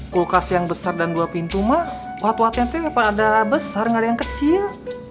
kulkas yang besar dan dua pintu mah wad wadnya ternyata pada besar nggak ada yang kecil